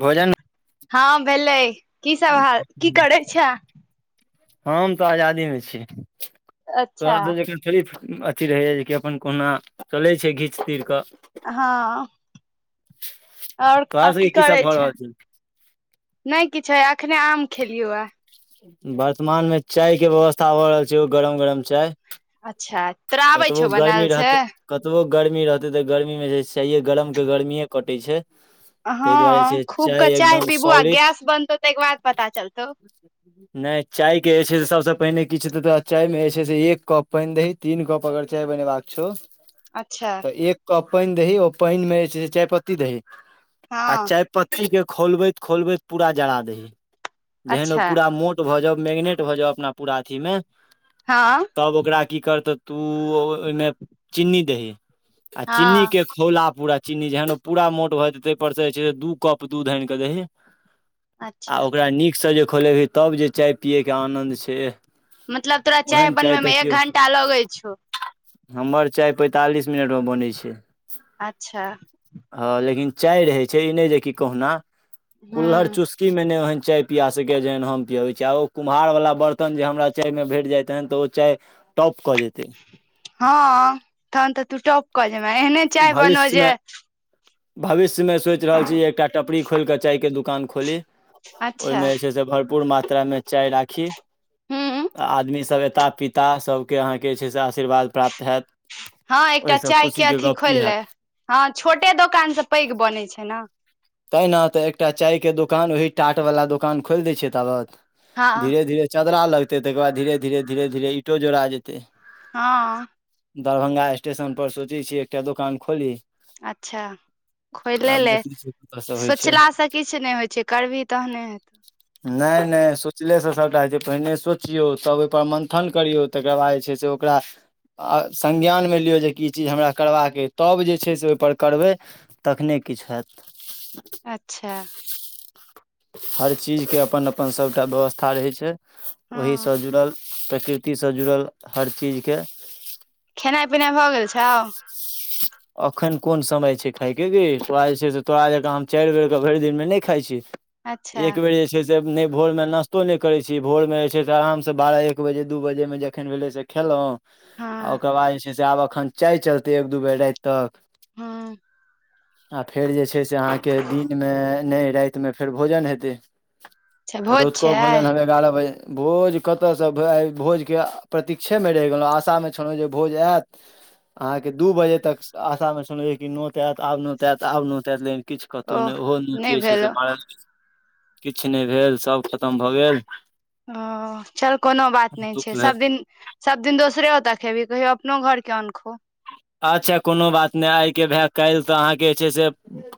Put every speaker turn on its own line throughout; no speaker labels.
भोजन
हँ भेलै की सब हाल की करय छैं
हम तऽ आजादी में छी
अच्छा
तोरा सभ जेकां थोड़ी अथी रहेया जेकि अपन कहुना चले छै घीच तीर कऽ
हँ आओर
तोरा
कह
सबके
की
सब
करै
भऽ
छै
रहल
नहि किछ हयए एखने आम खेलियौयै
वर्तमान मे चाय के व्यवस्था हो रहल छै ओहो गरम गरम चाय
अच्छा तोरा आबै
कतबो
छौ
गर्मी
बनायल से
रहतै कतबो गर्मी रहते तऽ गर्मी मे जे चाहिये गरम के गर्मीये कटे छै ताहि दुआरे
हँ
छै
खूब कऽ चाय
एकदम
पीबू आ
सॉलिड
गैस बनतौ तै के बाद पता चलतौ
नहि चाय के जे छै से सबसँ पहिने किछु तऽ तोरा चाय मे जे छै से एक कप पानि दही तीन कप अगर चाय बनेबाक छौ
अच्छा
तऽ एक कप पानि दही ओ पानि मे जे छै चाय पत्ती दहि आ
हँ
चाय पत्ती के खोलबैत खोलबैत पूरा जरा दही जेहन ओ
अच्छा
पूरा मोट भऽ जाउ मैगनेट भऽ जाउ अपना पूरा अथि मे
हँ
तब ओकरा की करतौ तुऽ ओहिमे चीनी दहि आ चीन्नी
हँ
के खौला पूरा चीन्नी जेहन ओ पूरा मोट भऽ जेतै ताहिपरसँ जे छै से दू कप दूध आनि कऽ दही आ
अच्छा
ओकरा नीकसँ जे खोलेबही तब जे चाय पियैके आनन्द छै एह
मतलब तोरा चाय बनबैमे एक घंटा लगै छौ
हमर चाय पैंतालीस मिनटमे बनय छै
अच्छा
ह लेकिन चाय रहे छै ई नहि जे कि कहुना कुल्हर
हूँ
चुस्की में नै ओहन चाय पिया सकैए जेहन हम पियबै छी आ ओ कुम्हारवला बरतन जे हमरा चायमे भेट जाय तहन तऽ ओ चाय टॉप कऽ जेतै
हँ तहन तऽ तू टॉप कऽ जेबैं एहने चाय बनौ
भविष्य मे
जे
भविष्य मे सोचि रहल छी एकटा टपरी खोलि कऽ चाय के दुकान खोली
अच्छा
ओहिमे जे छै से भर पूर्ण मात्रा मे चाय राखी
हूँ
आ आदमी सब एता पीता सब के अहाँके जे छै से आशीर्वाद प्राप्त हैयत
हँ एकटा चाय के अथी खोइल
हैत
ले हँ छोटे दोकान से पैघ बनय छै न
तेहि न तऽ एकटा चायके दोकान ओही टाटवला दोकान खोलि दैत छियै ताबत
हँ
धीरे धीरे चदरा लगतै तकर बाद धीरे धीरे धीरे धीरे ईंटो जोड़ा जेतै
हँ
दरभंगा स्टेशन पर सोचै छी एकटा दोकान खोली
अच्छा खोइले
आब
ले
देखै छियै कतऽ सँ होइ छै
सोचलासँ किछ नहि होइ छै करबिही तहने हेतौ
नहि नहि सोचलेसँ सभटा होइ छै पहिने सोचियौ तब ओहिपर मन्थन करियौ तकर बाद जे छै से ओकरा आ संज्ञानमे लियौ जेकि ई चीज हमरा करबाक अइ तब जे छै से ओहिपर करबै तखने किछ हैत
अच्छा
हर चीजके अपन अपन सभटा व्यवस्था रहैत छै ओहिसँ
हँ
जुड़ल प्रकृतिसँ जुड़ल हर चीजके
खेनाइ पिनाइ भऽ गेल छौ
अखन कोन समय छै खायके गे तोरा जे छै से तोरा जका हम चाइर बेर कऽ भरि दिनमे नहि खाइ छी
अच्छा
एक बेर जे छै से से नहि भोरमे नाश्तो नहि करै छी भोरमे जे छै से आरामसँ बारह एक बजे दू बजेमे जखन भेलै से खेलौं आ
हँ
ओकर बाद जे छै से आब अखन चाय चलते एक दू बेर राति तक
हँ
आ फेर जे छै से अहाँके दिनमे नहि राइतमे फेर भोजन हेतै
अच्छा
तऽ
भोज
रौत
छै
को
आइ
भोजन हम एगारह बजे भोज कतसँ भै भोजके प्रतीक्षेमे रहि गेलौ आशामे छलौ जे भोज आयत अहाँके दू बजे तक आशा मे सुनैय कि नोत आयत आब नोत आयत आब नोत आयत लेकिन किछ कतौ
ओह
नहि ओहो
नहि
निचे छै
भेल
से भरल किछ नहि भेल सब खतम भऽ गेल
ओ चल कोनो बात नहि
दुःख
छै
भेल
सब दिन सब दिन दोसरे ओतय खेबही कहियो अपनो घर कि यै नहि खो
अच्छा कोनो बात नहि आय के भाय काइल तऽ अहाँके जे छै से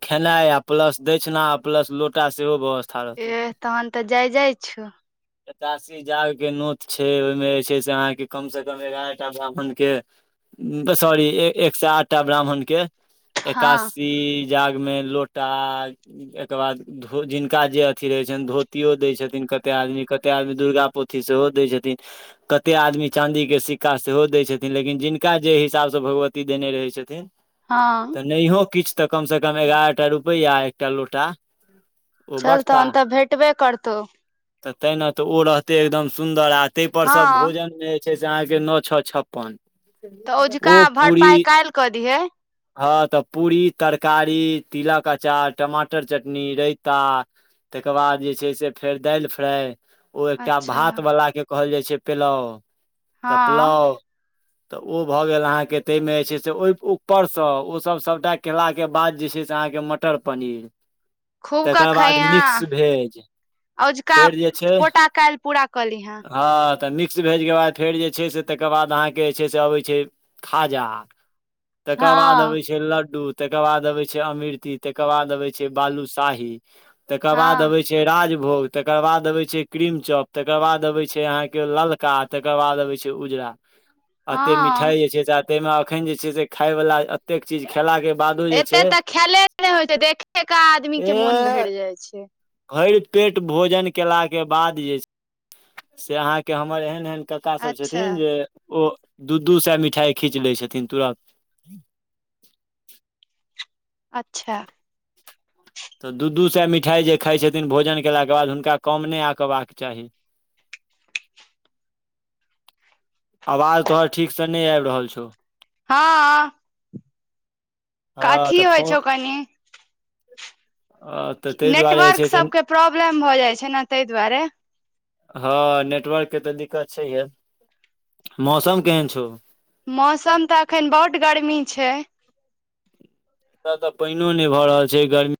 खेनाइ आ प्लस दछिना प्लस लोटा सेहो भ
एह तहन तऽ जय जय छौ
एकादशी जाग के नोत छै ओहिमे जे छै से अहाँके कम से कम एगारह टा ब्राह्मण के सॉरी एक सए आठटा ब्राह्मण के
हँ
एकासी जाग मे लोटा एकर बाद धो जिनका जे अथी रहय छैन धोतीयो दै छथिन कते आदमी कते आदमी दुर्गा पोथी सेहो दै छथिन कते आदमी चांदी के सिक्का सेहो दै छथिन लेकिन जिनका जे हिसाबसँ भगवती देने रहै छथिन
हँ
तऽ नहियो किछ तऽ कम से कम एगारह टा रुपया आ एकटा लोटा ओ
चल
बँटताह
तहन तऽ भेटबे करतौ
तऽ तैना तऽ ओ रहतै एकदम सुन्दर आ तै पर सब
हँ
भोजन जे छै से अहाँके नौ छौ छप्पन
तऽ
ओ
ओझुका
पूरी
भरपाइ काइल कऽ दिहे
हँ तऽ पूरी तरकारी तिलक अचार टमाटर चटनी रैयता तेकर बाद जे छै से फेर दाइल फ्राइ ओ एकटा
अच्छा
भातवला के कहल जाइ छै पेलाव तऽ
हँ
पलाव तऽ ओ भऽ गेल अहाँके तहिमे जे छै से ओहि ऊपरसँ ओसभ सभटा केलाके बाद जे छै से अहाँके मटर पनीर तकर बाद मिक्स भेज
अझुका
फेर जे छै
कोटा काइल पूरा कऽली हैँ
हँ तऽ मिक्स भेज के बाद फेर जे छै से तकर बाद अहाँके जे छै से अबै छै खाजा तकर बाद
हँ
अबै छै लड्डू तकर बाद अबै छै अमृति तकर बाद अबै छै बालू शाही तकर बाद
हँ
अबै छै राज भोग तकर बाद अबै छै क्रीम चॉप तकर बाद अबै छै अहाँके ललका तकर बाद अबै छै उजरा अते
हँ
मिठाई जे छै से ते मे अखन जे छै से खाय वला एते चीज खेला के बादो जे छै
एते तऽ खेले नहि होइत छै देखे क आदमी के मोन
ए
भरि जाइ छै
भरि पेट भोजन केला के बाद जे छै से अहाँके हमर एहन एहन कका सब
अच्छा
छथिन जे ओ दू दू सए मिठाई खीच लै छथिन तुरत
अच्छा
तऽ दू दू सए मिठाइ जे खाइत छथिन भोजन कयलाके बाद हुनका कम नहि आकबाक चाही [inaudible] आवाज तोहर ठीकसँ नहि आबि रहल छौ
हँ
हँ
काथी
तऽ
होइ
फो
छै ओ कनी
तऽ ताहि दुआरे जे
नेटवर्क
छै से
सभके प्रॉब्लम भऽ जाइ छै ने तहि दुआरे
हँ नेटवर्क के तऽ दिक्कत छैहे मौसम केहन छौ
मौसम तऽ एखन बहुत गर्मी छै
एतय तऽ पाइनो नहि भऽ रहल छै गर्मी